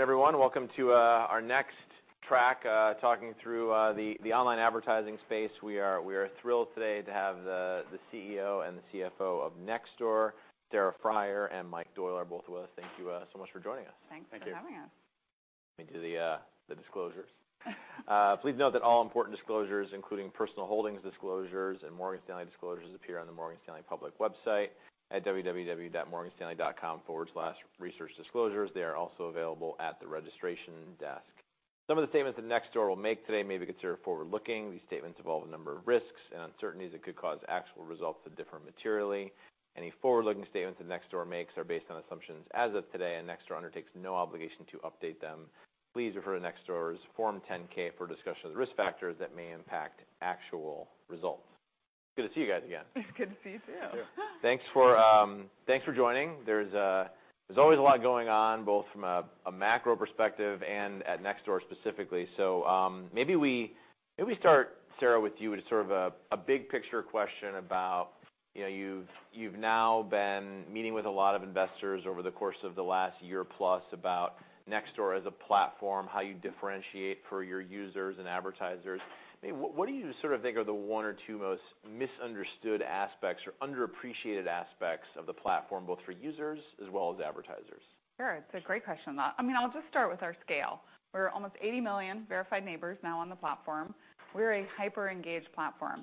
Everyone. Welcome to our next track, talking through the online advertising space. We are thrilled today to have the CEO and the CFO of Nextdoor, Sarah Friar and Mike Doyle, both with us. Thank you so much for joining us Thanks for having us. Thank you. Let me do the disclosures. Please note that all important disclosures, including personal holdings disclosures and Morgan Stanley disclosures, appear on the Morgan Stanley public website at www.morganstanley.com/researchdisclosures. They are also available at the registration desk. Some of the statements that Nextdoor will make today may be considered forward-looking. These statements involve a number of risks and uncertainties that could cause actual results to differ materially. Any forward-looking statements that Nextdoor makes are based on assumptions as of today, and Nextdoor undertakes no obligation to update them. Please refer to Nextdoor's Form 10-K for a discussion of the risk factors that may impact actual results. Good to see you guys again. It's good to see you too. Yeah. Thanks for joining. There's always a lot going on, both from a macro perspective and at Nextdoor specifically. Maybe we start, Sarah, with you with sort of a big picture question about, you know, you've now been meeting with a lot of investors over the course of the last year plus about Nextdoor as a platform, how you differentiate for your users and advertisers. Maybe what do you sort of think are the one or two most misunderstood aspects or underappreciated aspects of the platform, both for users as well as advertisers? Sure. I mean, I'll just start with our scale. We're almost 80 million verified neighbors now on the platform. We're a hyper-engaged platform.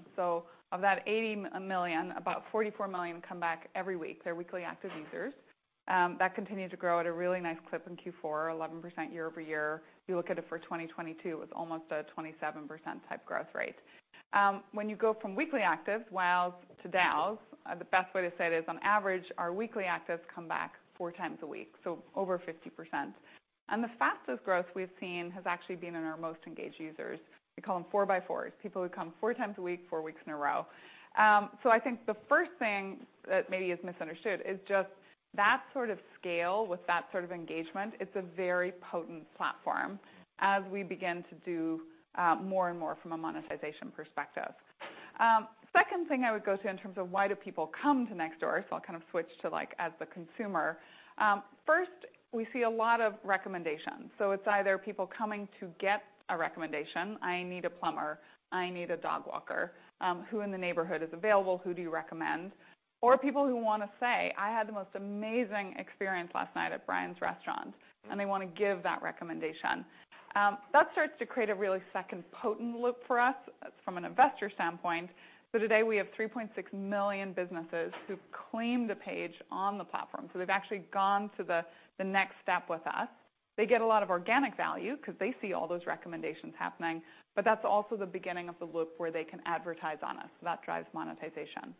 Of that 80 million, about 44 million come back every week. They're weekly active users. That continued to grow at a really nice clip in Q4, 11% year-over-year. You look at it for 2022, it was almost a 27% type growth rate. When you go from weekly actives, WAU to DAUs, the best way to say it is on average, our weekly actives come back four times a week, so over 50%. The fastest growth we've seen has actually been in our most engaged users. We call them four-by-fours, people who come four times a week, four weeks in a row. I think the first thing that maybe is misunderstood is just that sort of scale with that sort of engagement, it's a very potent platform as we begin to do more and more from a monetization perspective. Second thing I would go to in terms of why do people come to Nextdoor, I'll kind of switch to like, as the consumer. First we see a lot of recommendations. It's either people coming to get a recommendation, "I need a plumber. I need a dog walker. Who in the neighborhood is available? Who do you recommend?" Or people who wanna say, "I had the most amazing experience last night at Brian's restaurant," and they wanna give that recommendation. That starts to create a really second potent loop for us from an investor standpoint. Today we have 3.6 million businesses who claim the page on the platform, so they've actually gone to the next step with us. They get a lot of organic value 'cause they see all those recommendations happening, but that's also the beginning of the loop where they can advertise on us. That drives monetization.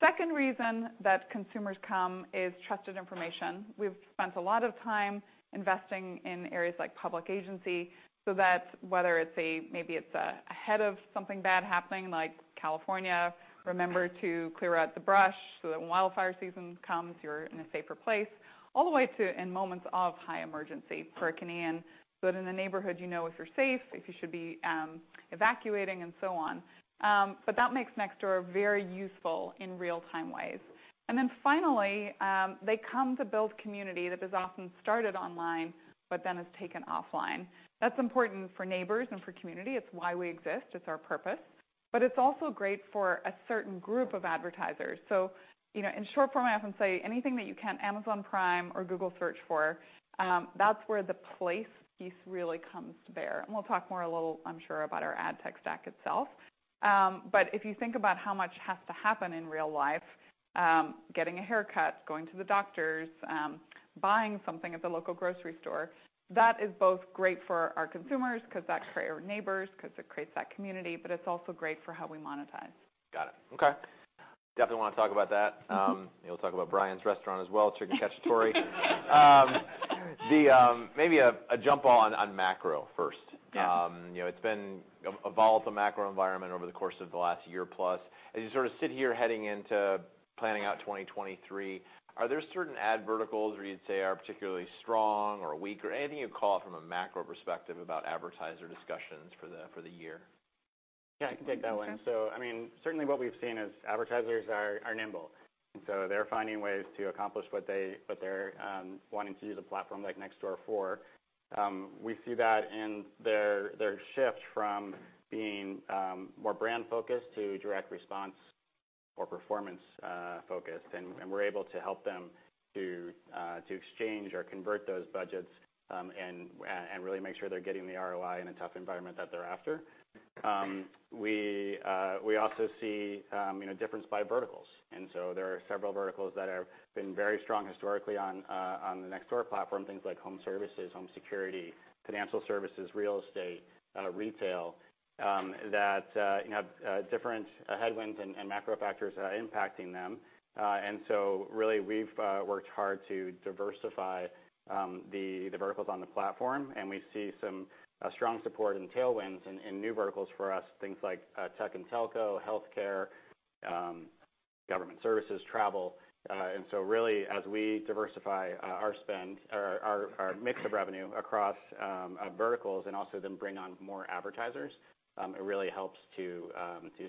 Second reason that consumers come is trusted information. We've spent a lot of time investing in areas like public agency so that whether it's maybe it's ahead of something bad happening, like California, remember to clear out the brush so that when wildfire season comes, you're in a safer place, all the way to in moments of high emergency, Hurricane Ian, so that in the neighborhood you know if you're safe, if you should be evacuating and so on. That makes Nextdoor very useful in real time ways. Finally, they come to build community that is often started online, but then is taken offline. That's important for neighbors and for community. It's why we exist. It's our purpose. It's also great for a certain group of advertisers. You know, in short form, I often say anything that you can Amazon Prime or Google search for, that's where the place piece really comes to bear. We'll talk more a little, I'm sure, about our ad tech stack itself. If you think about how much has to happen in real life, getting a haircut, going to the doctor's, buying something at the local grocery store, that is both great for our consumers 'cause that creates our neighbors, 'cause it creates that community, but it's also great for how we monetize. Got it. Okay. Definitely want to talk about that. Maybe we'll talk about Brian's restaurant as well, Chicken Cacciatore. Maybe a jump on macro first. Yeah. You know, it's been a volatile macro environment over the course of the last year plus. As you sort of sit here heading into planning out 2023, are there certain ad verticals where you'd say are particularly strong or weak or anything you'd call out from a macro perspective about advertiser discussions for the year? Yeah, I can take that one. Okay. I mean, certainly what we've seen is advertisers are nimble, and so they're finding ways to accomplish what they're wanting to use a platform like Nextdoor for. We see that in their shift from being more brand-focused to direct response or performance focused, and we're able to help them to exchange or convert those budgets, and really make sure they're getting the ROI in a tough environment that they're after. We also see, you know, difference by verticals. There are several verticals that have been very strong historically on the Nextdoor platform, things like home services, home security, financial services, real estate, retail, that, you know, different headwinds and macro factors are impacting them. Really we've worked hard to diversify the verticals on the platform, and we see some strong support and tailwinds in new verticals for us, things like tech and telco, healthcare, Government services, travel. Really as we diversify our spend or our mix of revenue across verticals and also then bring on more advertisers, it really helps to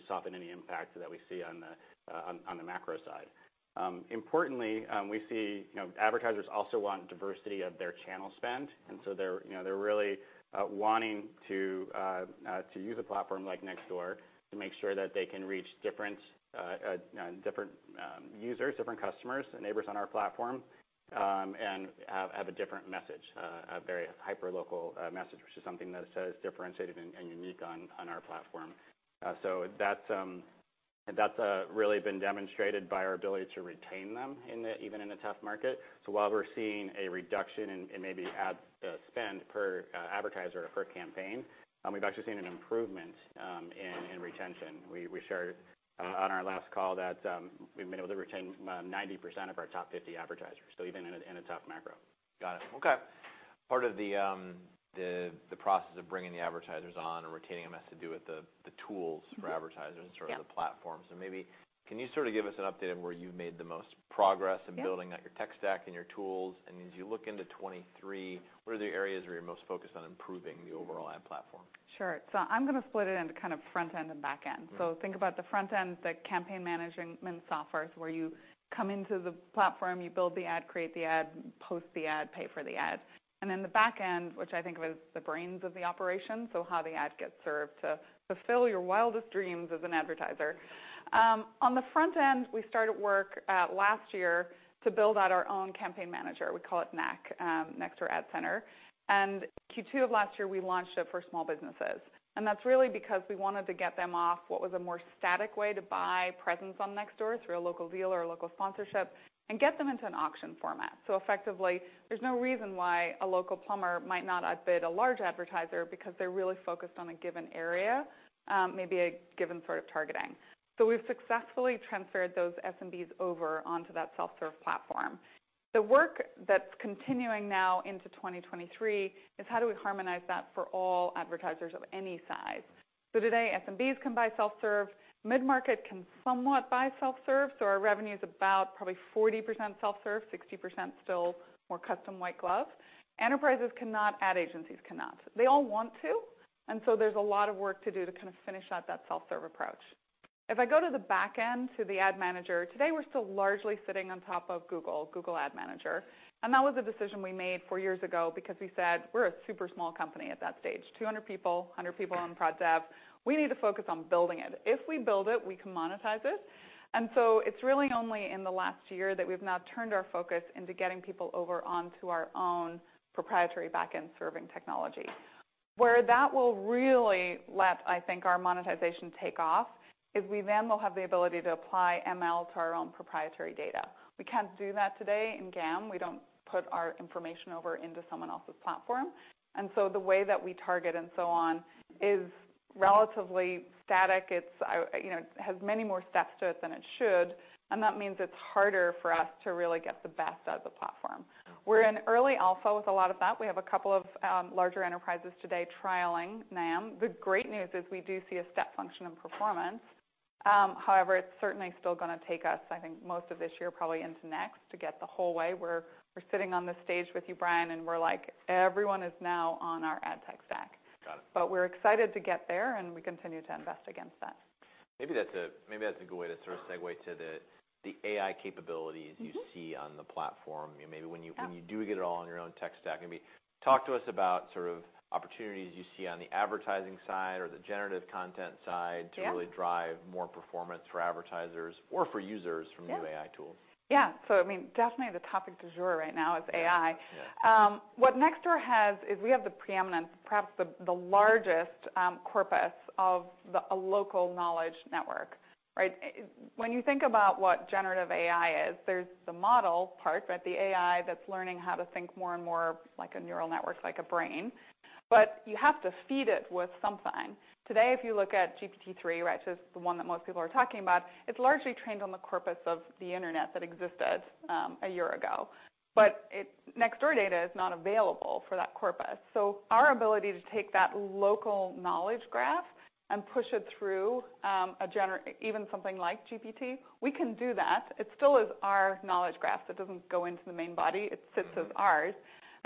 soften any impact that we see on the macro side. Importantly, we see, you know, advertisers also want diversity of their channel spend. They're, you know, they're really wanting to use a platform like Nextdoor to make sure that they can reach different users, different customers and neighbors on our platform, and have a different message, a very hyperlocal message, which is something that is differentiated and unique on our platform. That's that's really been demonstrated by our ability to retain them even in a tough market. While we're seeing a reduction in maybe ad spend per advertiser or per campaign, we've actually seen an improvement in retention. We shared on our last call that we've been able to retain 90% of our top 50 advertisers, so even in a tough macro. Got it. Okay. Part of the process of bringing the advertisers on and retaining them has to do with the tools for advertisers… Mm-hmm. Sort of the platform. Yeah. Maybe can you sort of give us an update on where you've made the most progress? Yeah in building out your tech stack and your tools? As you look into 2023, what are the areas where you're most focused on improving the overall ad platform? Sure. I'm gonna split it into kind of front end and back end. Mm-hmm. Think about the front end, the campaign management software. Where you come into the platform, you build the ad, create the ad, post the ad, pay for the ad. Then the back end, which I think of as the brains of the operation, so how the ad gets served to fulfill your wildest dreams as an advertiser. On the front end, we started work at last year to build out our own campaign manager, we call it NAC, Neighborhood Ad Center, and Q2 of last year, we launched it for small businesses. That's really because we wanted to get them off what was a more static way to buy presence on Nextdoor through a local deal or a local sponsorship and get them into an auction format. Effectively, there's no reason why a local plumber might not outbid a large advertiser because they're really focused on a given area, maybe a given sort of targeting. We've successfully transferred those SMBs over onto that self-serve platform. The work that's continuing now into 2023 is how do we harmonize that for all advertisers of any size. Today, SMBs can buy self-serve, mid-market can somewhat buy self-serve. Our revenue is about probably 40% self-serve, 60% still more custom white glove. Enterprises cannot, ad agencies cannot. They all want to, there's a lot of work to do to kind of finish out that self-serve approach. If I go to the back-end to the ad manager, today we're still largely sitting on top of Google Ad Manager, and that was a decision we made 4 years ago because we said we're a super small company at that stage, 200 people, 100 people in product dev. We need to focus on building it. If we build it, we can monetize it. It's really only in the last year that we've now turned our focus into getting people over onto our own proprietary back-end serving technology. Where that will really let, I think, our monetization take off is we then will have the ability to apply ML to our own proprietary data. We can't do that today in GAM. We don't put our information over into someone else's platform. The way that we target and so on is relatively static. It's, you know, has many more steps to it than it should, and that means it's harder for us to really get the best out of the platform. We're in early alpha with a lot of that. We have a couple of larger enterprises today trialing NAM. The great news is we do see a step function in performance. However, it's certainly still gonna take us, I think, most of this year, probably into next, to get the whole way where we're sitting on the stage with you, Brian, and we're like, "Everyone is now on our ad tech stack. Got it. We're excited to get there, and we continue to invest against that. Maybe that's a good way to sort of segue to the AI capabilities. Mm-hmm... you see on the platform. Maybe when you- Yeah... when you do get it all on your own tech stack. Maybe talk to us about sort of opportunities you see on the advertising side or the generative content side. Yeah to really drive more performance for advertisers or for users. Yeah new AI tools. Yeah. I mean, definitely the topic du jour right now is AI. Yeah. Yeah. What Nextdoor has is we have the preeminent, perhaps the largest corpus of the, a local knowledge network, right? When you think about what generative AI is, there's the model part, but the AI that's learning how to think more and more like a neural network, like a brain, but you have to feed it with something. Today, if you look at GPT-3, right, so it's the one that most people are talking about, it's largely trained on the corpus of the Internet that existed a year ago. Nextdoor data is not available for that corpus. Our ability to take that local knowledge graph and push it through even something like GPT, we can do that. It still is our knowledge graph. It doesn't go into the main body. It sits as ours.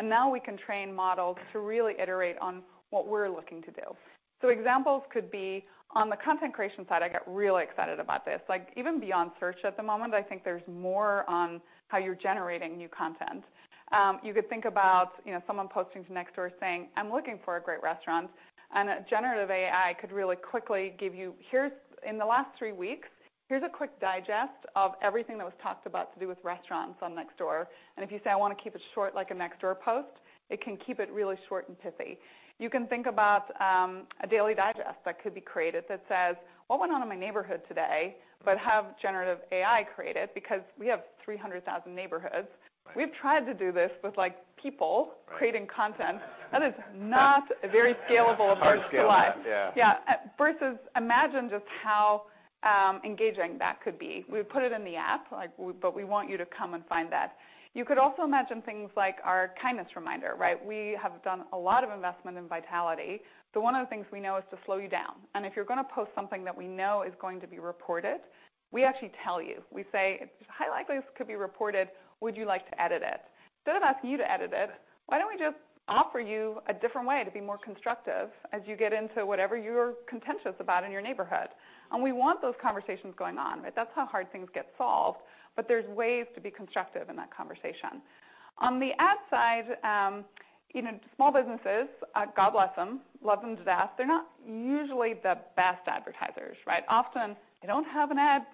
Now we can train models to really iterate on what we're looking to do. Examples could be on the content creation side, I get really excited about this. Like, even beyond search at the moment, I think there's more on how you're generating new content. You could think about, you know, someone posting to Nextdoor saying, "I'm looking for a great restaurant," and a generative AI could really quickly give you, "Here's in the last three weeks, here's a quick digest of everything that was talked about to do with restaurants on Nextdoor." If you say, "I wanna keep it short like a Nextdoor post," it can keep it really short and pithy. You can think about a daily digest that could be created that says, "What went on in my neighborhood today?" Have generative AI create it because we have 300,000 neighborhoods. Right. We've tried to do this with, like. Right... creating content. That is not a very scalable approach to life. Hard to scale, yeah. Yeah. versus imagine just how engaging that could be. We put it in the app, like we want you to come and find that. You could also imagine things like our Kindness Reminder, right? We have done a lot of investment in vitality. One of the things we know is to slow you down. If you're going to post something that we know is going to be reported, we actually tell you. We say, "It's high likelihood this could be reported. Would you like to edit it?" Instead of asking you to edit it, why don't we just offer you a different way to be more constructive as you get into whatever you're contentious about in your neighborhood? We want those conversations going on, right? That's how hard things get solved. There's ways to be constructive in that conversation. On the ad side, you know, small businesses, God bless them, love them to death, they're not usually the best advertisers, right? Often they don't have an ad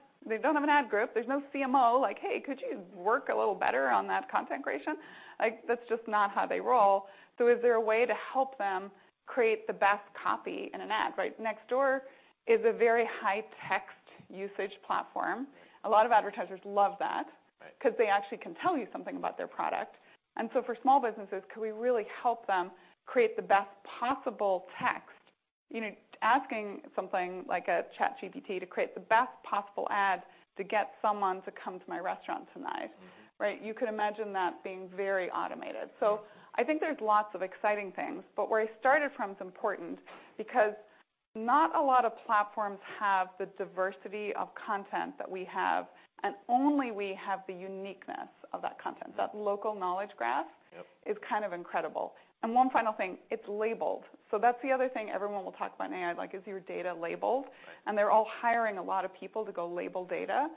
group, there's no CMO like, "Hey, could you work a little better on that content creation?" Like, that's just not how they roll. Is there a way to help them create the best copy in an ad, right? Nextdoor is a very high text usage platform. Right. A lot of advertisers love that- Right 'cause they actually can tell you something about their product. For small businesses, could we really help them create the best possible text? You know, asking something like a ChatGPT to create the best possible ad to get someone to come to my restaurant tonight. Mm-hmm. Right? You could imagine that being very automated. I think there's lots of exciting things, but where I started from is important because not a lot of platforms have the diversity of content that we have, and only we have the uniqueness of that content. Right. That local knowledge graph- Yep... is kind of incredible. One final thing, it's labeled. That's the other thing everyone will talk about in AI, like, is your data labeled? Right. They're all hiring a lot of people to go label data.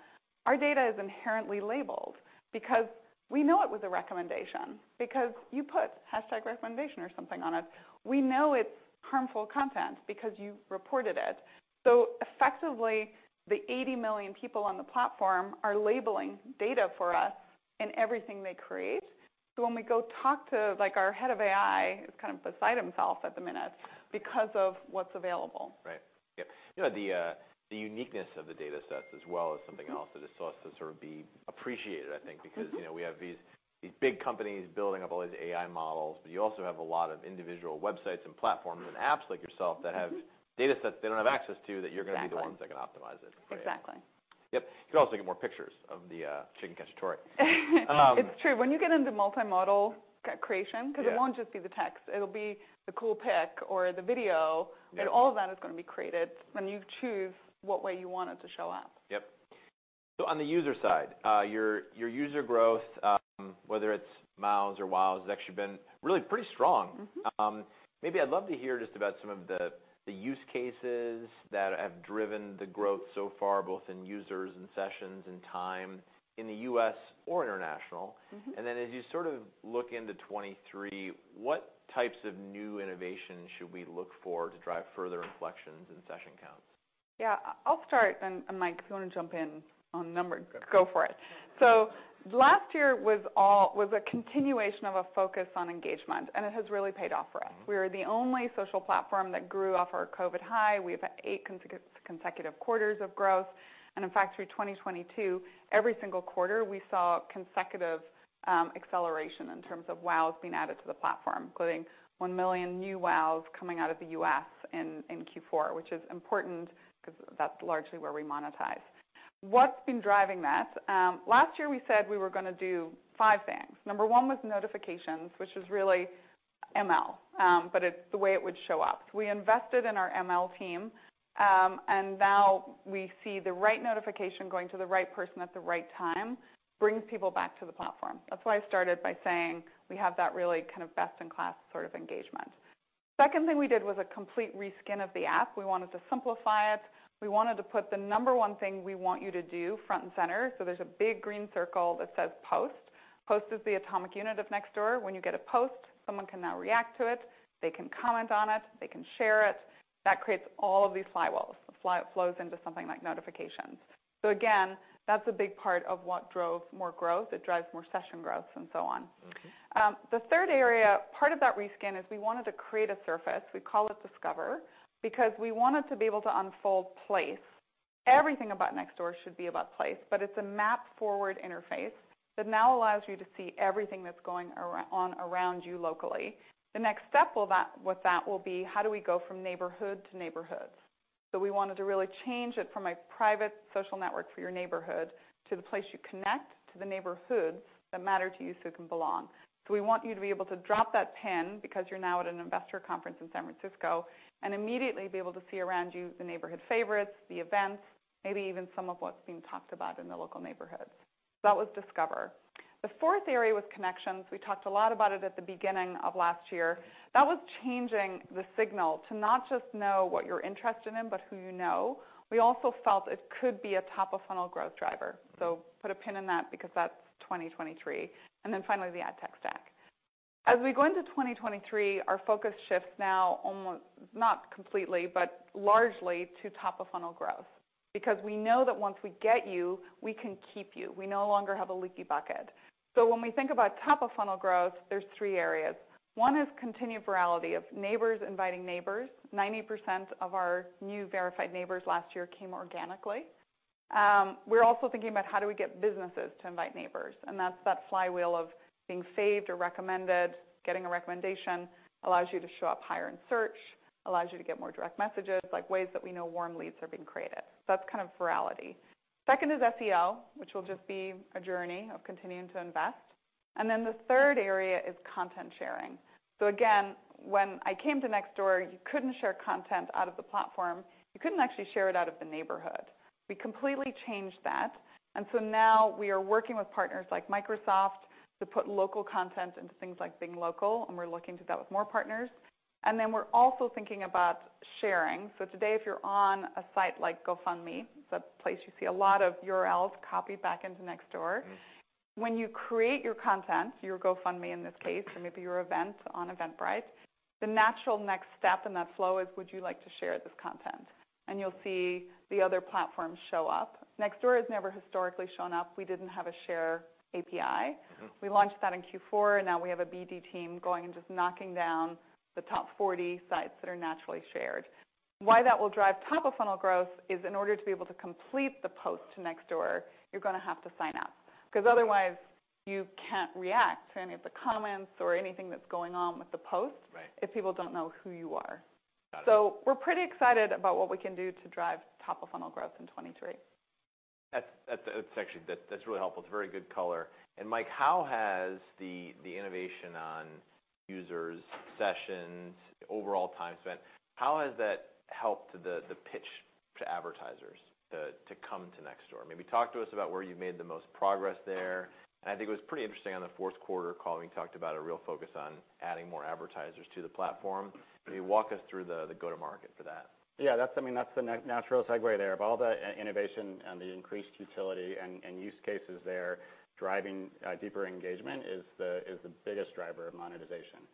Our data is inherently labeled because we know it was a recommendation because you put hashtag recommendation or something on it. We know it's harmful content because you reported it. Effectively, the 80 million people on the platform are labeling data for us in everything they create. When we go talk to, like, our head of AI is kind of beside himself at the minute because of what's available. Right. Yeah. You know, the uniqueness of the data sets as well is something else that is supposed to sort of be appreciated, I think. You know, we have these big companies building up all these AI models, but you also have a lot of individual websites and platforms and apps like yourself that have data sets they don't have access to that you're gonna be the ones that can optimize it for you. Exactly. Yep. You can also get more pictures of the chicken cacciatore. It's true. When you get into multimodal co-creation. Yeah 'cause it won't just be the text, it'll be the cool pic or the video. Yeah. All of that is gonna be created, and you choose what way you want it to show up. Yep. On the user side, your user growth, whether it's MAUs or WAUs, has actually been really pretty strong. Mm-hmm. maybe I'd love to hear just about some of the use cases that have driven the growth so far, both in users and sessions and time, in the U.S. or international. Mm-hmm. As you sort of look into 2023, what types of new innovation should we look for to drive further inflections in session counts? Yeah. I'll start, and Mike, if you wanna jump in on numbers- Okay go for it. Last year was a continuation of a focus on engagement, and it has really paid off for us. Mm-hmm. We are the only social platform that grew off our COVID high. We've had eight consecutive quarters of growth. In fact, through 2022, every single quarter, we saw consecutive acceleration in terms of WAUs being added to the platform, including 1 million new WAUs coming out of the U.S. in Q4, which is important because that's largely where we monetize. What's been driving that? Last year, we said we were gonna do five things. Number one was notifications, which is really ML, but it's the way it would show up. We invested in our ML team, and now we see the right notification going to the right person at the right time brings people back to the platform. That's why I started by saying we have that really kind of best-in-class sort of engagement. Second thing we did was a complete reskin of the app. We wanted to simplify it. We wanted to put the number one thing we want you to do front and center. There's a big green circle that says Post. Post is the atomic unit of Nextdoor. When you get a post, someone can now react to it, they can comment on it, they can share it. That creates all of these flywheels. It flows into something like notifications. Again, that's a big part of what drove more growth. It drives more session growth and so on. Okay. The third area, part of that reskin is we wanted to create a surface, we call it Discover, because we wanted to be able to unfold place. Everything about Nextdoor should be about place, but it's a map-forward interface that now allows you to see everything that's going on around you locally. The next step with that will be how do we go from neighborhood to neighborhoods? We wanted to really change it from a private social network for your neighborhood to the place you connect to the neighborhoods that matter to you so you can belong. We want you to be able to drop that pin, because you're now at an investor conference in San Francisco, and immediately be able to see around you the neighborhood favorites, the Events, maybe even some of what's being talked about in the local neighborhoods. That was Discover. The fourth area was Connections. We talked a lot about it at the beginning of last year. That was changing the signal to not just know what you're interested in, but who you know. We also felt it could be a top-of-funnel growth driver. Mm-hmm. Put a pin in that because that's 2023. Finally, the ad tech stack. As we go into 2023, our focus shifts now almost not completely, but largely to top-of-funnel growth, because we know that once we get you, we can keep you. We no longer have a leaky bucket. When we think about top-of-funnel growth, there's three areas. One is continued virality of neighbors inviting neighbors. 90% of our new verified neighbors last year came organically. We're also thinking about how do we get businesses to invite neighbors? That's that flywheel of being saved or recommended. Getting a recommendation allows you to show up higher in search, allows you to get more direct messages, like ways that we know warm leads are being created. That's kind of virality. Second is SEO, which will just be a journey of continuing to invest. The third area is content sharing. Again, when I came to Nextdoor, you couldn't share content out of the platform. You couldn't actually share it out of the neighborhood. We completely changed that. Now we are working with partners like Microsoft to put local content into things like Bing Local, and we're looking to do that with more partners. We're also thinking about sharing. Today, if you're on a site like GoFundMe, it's a place you see a lot of URLs copied back into Nextdoor. Mm-hmm. When you create your content, your GoFundMe, in this case, or maybe your event on Eventbrite, the natural next step in that flow is, would you like to share this content? You'll see the other platforms show up. Nextdoor has never historically shown up. We didn't have a Share API. Mm-hmm. We launched that in Q4, and now we have a BD team going and just knocking down the top 40 sites that are naturally shared. Why that will drive top-of-funnel growth is in order to be able to complete the post to Nextdoor, you're gonna have to sign up, 'cause otherwise you can't react to any of the comments or anything that's going on with the post. Right if people don't know who you are. Got it. We're pretty excited about what we can do to drive top-of-funnel growth in 2023. That's actually, that's really helpful. It's very good color. Mike, how has the innovation on users, sessions, overall time spent, how has that helped the pitch to advertisers to come to Nextdoor? Maybe talk to us about where you made the most progress there. I think it was pretty interesting on the fourth quarter call when you talked about a real focus on adding more advertisers to the platform. Can you walk us through the go-to-market for that? Yeah, that's, I mean, that's the natural segue there. Of all the innovation and the increased utility and use cases there, driving deeper engagement is the biggest driver of monetization.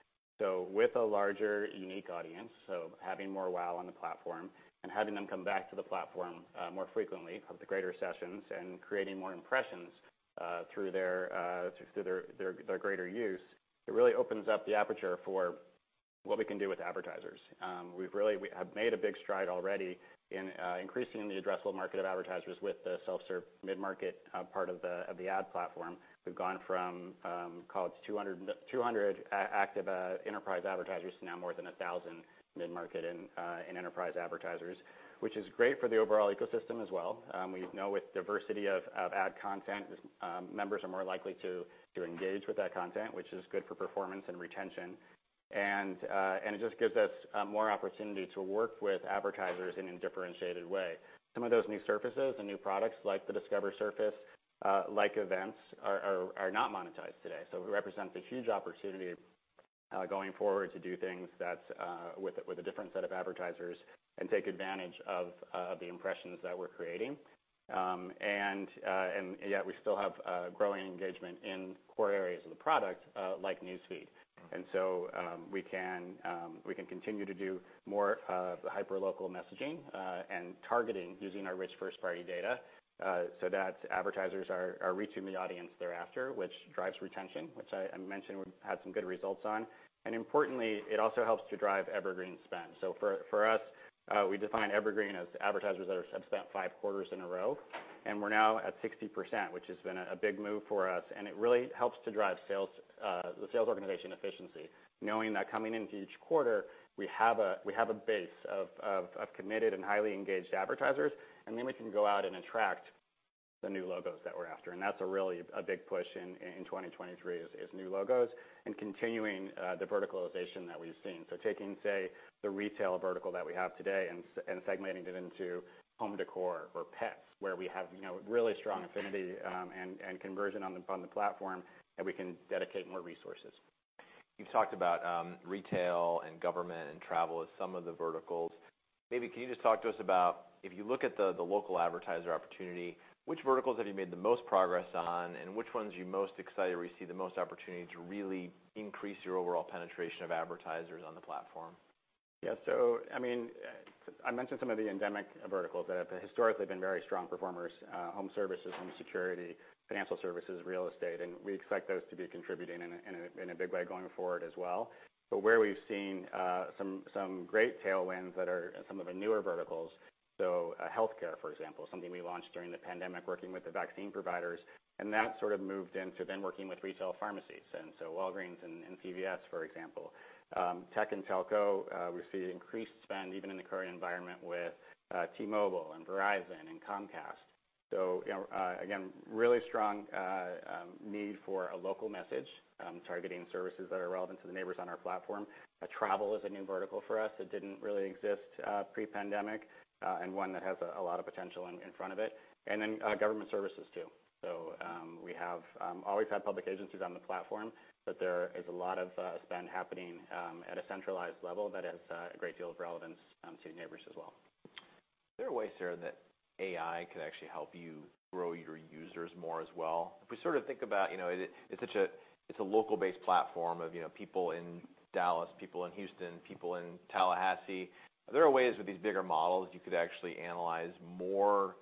With a larger unique audience, so having more WAU on the platform, and having them come back to the platform more frequently, have the greater sessions, and creating more impressions through their just through their greater use, it really opens up the aperture for what we can do with advertisers. We've really we have made a big stride already in increasing the addressable market of advertisers with the self-serve mid-market part of the ad platform. We've gone from, call it 200 active enterprise advertisers to now more than 1,000 mid-market and enterprise advertisers, which is great for the overall ecosystem as well. We know with diversity of ad content, members are more likely to engage with that content, which is good for performance and retention. It just gives us more opportunity to work with advertisers in a differentiated way. Some of those new surfaces and new products like the Discover surface, like Events are not monetized today. It represents a huge opportunity going forward to do things that with a different set of advertisers and take advantage of the impressions that we're creating. Yet we still have growing engagement in core areas of the product, like Newsfeed. Mm-hmm. We can continue to do more hyperlocal messaging and targeting using our rich first-party data, so that advertisers are reaching the audience they're after, which drives retention, which I mentioned we've had some good results on. Importantly, it also helps to drive evergreen spend. For us, we define evergreen as advertisers that have spent five quarters in a row, and we're now at 60%, which has been a big move for us, and it really helps to drive sales, the sales organization efficiency, knowing that coming into each quarter, we have a base of committed and highly engaged advertisers, and then we can go out and attract the new logos that we're after. That's a really big push in 2023, is new logos and continuing the verticalization that we've seen. Taking, say, the retail vertical that we have today and segmenting it into home decor or pets, where we have, you know, really strong affinity, and conversion on the platform, and we can dedicate more resources. You've talked about retail and government and travel as some of the verticals. Can you just talk to us about if you look at the local advertiser opportunity, which verticals have you made the most progress on, and which ones are you most excited where you see the most opportunity to really increase your overall penetration of advertisers on the platform? I mean, I mentioned some of the endemic verticals that have historically been very strong performers, home services, home security, financial services, real estate, and we expect those to be contributing in a big way going forward as well. Where we've seen some great tailwinds that are some of the newer verticals. Healthcare, for example, something we launched during the pandemic working with the vaccine providers, and that sort of moved into working with retail pharmacies, Walgreens and CVS, for example. Tech and telco, we see increased spend even in the current environment with T-Mobile and Verizon and Comcast. You know, again, really strong need for a local message, targeting services that are relevant to the neighbors on our platform. Travel is a new vertical for us. It didn't really exist pre-pandemic, and one that has a lot of potential in front of it. Then government services too. We have always had public agencies on the platform, but there is a lot of spend happening at a centralized level that has a great deal of relevance to neighbors as well. There are ways here that AI could actually help you grow your users more as well. If we sort of think about, you know, it's such a, it's a local-based platform of, you know, people in Dallas, people in Houston, people in Tallahassee. Are there ways with these bigger models you could actually analyze more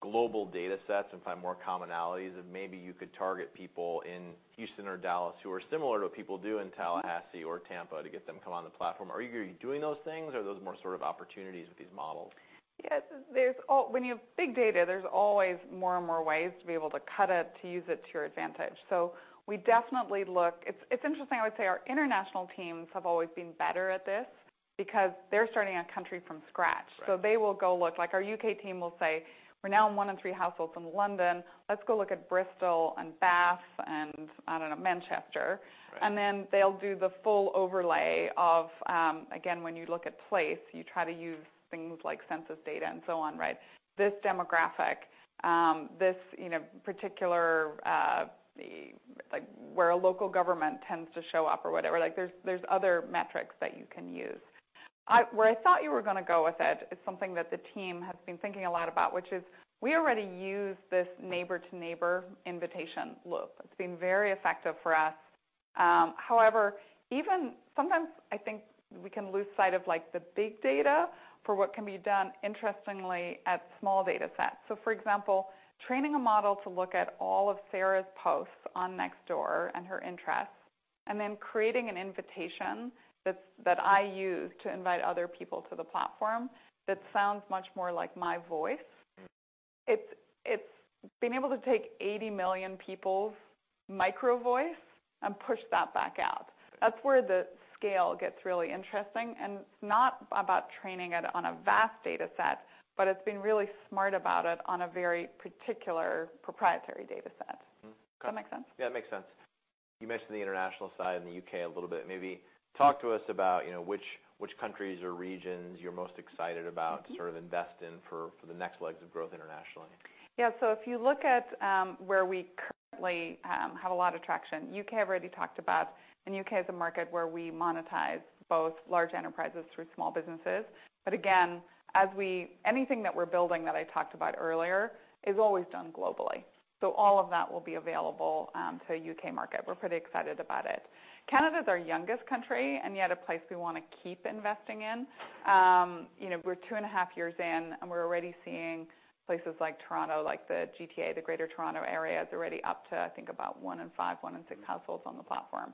global datasets and find more commonalities, and maybe you could target people in Houston or Dallas who are similar to what people do in Tallahassee or Tampa to get them to come on the platform? Are you doing those things, or are those more sort of opportunities with these models? Yeah. There's when you have big data, there's always more and more ways to be able to cut it, to use it to your advantage. We definitely look... It's interesting. I would say our international teams have always been better at this because they're starting a country from scratch. Right. Like, our UK team will say, "We're now in one in three households in London. Let's go look at Bristol and Bath and, I don't know, Manchester. Right. They'll do the full overlay of, again, when you look at place, you try to use things like census data and so on, right? This demographic, this, you know, particular, like, where a local government tends to show up or whatever. Like, there's other metrics that you can use. Where I thought you were gonna go with it is something that the team has been thinking a lot about, which is we already use this neighbor to neighbor invitation loop. It's been very effective for us. However, even sometimes I think we can lose sight of, like, the big data for what can be done interestingly at small data sets. For example, training a model to look at all of Sarah's posts on Nextdoor and her interests, and then creating an invitation that I use to invite other people to the platform that sounds much more like my voice. Mm-hmm. It's been able to take 80 million people's micro voice and push that back out. That's where the scale gets really interesting, and it's not about training it on a vast data set, but it's being really smart about it on a very particular proprietary data set. Okay. Does that make sense? Yeah, it makes sense. You mentioned the international side and the U.K. a little bit. Maybe talk to us about, you know, which countries or regions you're most excited about? Mm-hmm... to sort of invest in for the next legs of growth internationally. Yeah. If you look at where we currently have a lot of traction, U.K. I've already talked about. U.K. is a market where we monetize both large enterprises through small businesses. Again, anything that we're building that I talked about earlier is always done globally. All of that will be available to U.K. market. We're pretty excited about it. Canada's our youngest country and yet a place we wanna keep investing in. You know, we're 2 and a half years in, and we're already seeing places like Toronto, like the GTA, the Greater Toronto Area, is already up to, I think about 1 in 5, 1 in 6 households on the platform.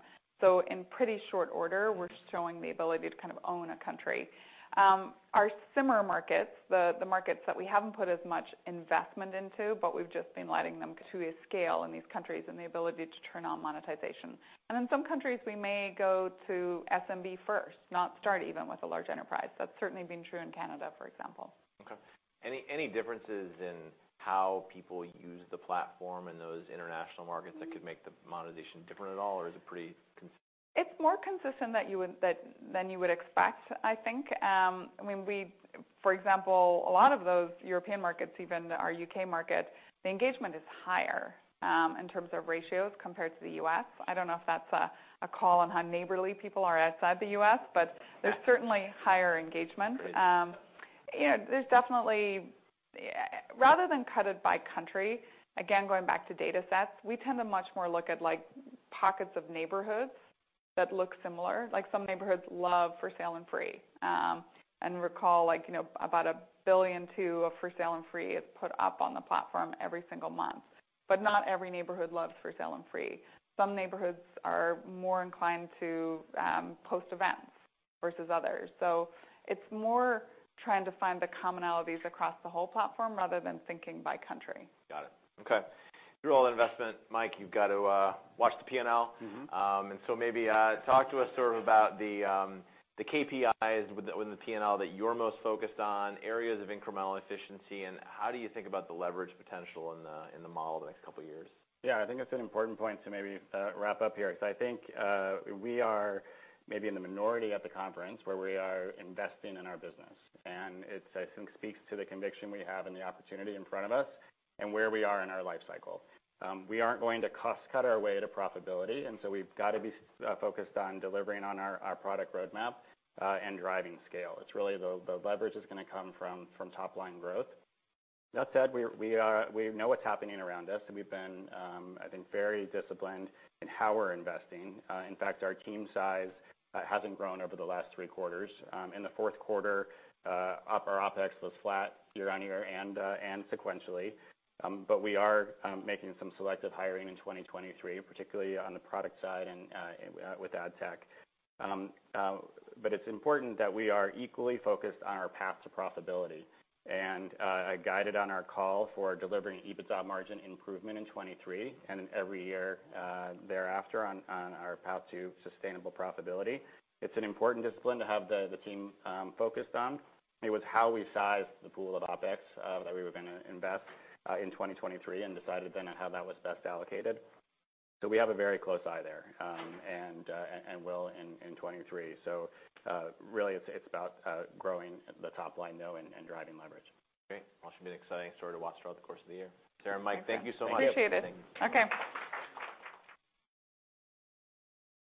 In pretty short order, we're showing the ability to kind of own a country. Our simmer markets, the markets that we haven't put as much investment into, but we've just been letting them curiously scale in these countries and the ability to turn on monetization. In some countries, we may go to SMB first, not start even with a large enterprise. That's certainly been true in Canada, for example. Okay. Any differences in how people use the platform in those international markets that could make the monetization different at all, or is it pretty. It's more consistent that you would, that than you would expect, I think. I mean, for example, a lot of those European markets, even our U.K. market, the engagement is higher, in terms of ratios compared to the U.S. I don't know if that's a call on how neighborly people are outside the U.S., but there's certainly higher engagement. Great. You know, there's definitely... Rather than cut it by country, again, going back to data sets, we tend to much more look at, like, pockets of neighborhoods that look similar. Some neighborhoods love For Sale & Free. Recall, like, you know, about $1.2 billion of For Sale & Free is put up on the platform every single month. Not every neighborhood loves For Sale & Free. Some neighborhoods are more inclined to post Events versus others. It's more trying to find the commonalities across the whole platform rather than thinking by country. Got it. Okay. You're all in investment. Mike, you've got to watch the P&L. Mm-hmm. maybe, talk to us sort of about the KPIs within the P&L that you're most focused on, areas of incremental efficiency, and how do you think about the leverage potential in the model the next couple of years? Yeah. I think that's an important point to maybe wrap up here, 'cause I think we are maybe in the minority at the conference where we are investing in our business, and it's, I think, speaks to the conviction we have and the opportunity in front of us and where we are in our life cycle. We aren't going to cost cut our way to profitability. We've got to be focused on delivering on our product roadmap and driving scale. It's really the leverage is gonna come from top line growth. That said, we know what's happening around us, and we've been, I think, very disciplined in how we're investing. In fact, our team size hasn't grown over the last three quarters. In the fourth quarter, our OpEx was flat year-on-year and sequentially. We are making some selective hiring in 2023, particularly on the product side and with ad tech. It's important that we are equally focused on our path to profitability. I guided on our call for delivering EBITDA margin improvement in 23 and in every year thereafter on our path to sustainable profitability. It's an important discipline to have the team focused on. It was how we sized the pool of OpEx that we were gonna invest in 2023 and decided on how that was best allocated. We have a very close eye there and will in 23. really it's about growing the top line though and driving leverage. Great. It should be an exciting story to watch throughout the course of the year. Sarah and Mike, thank you so much. Appreciate it. Thank you. Okay.